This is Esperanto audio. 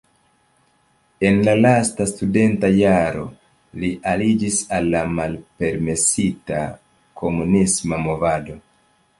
En la lasta studenta jaro li aliĝis al la malpermesita komunisma movado.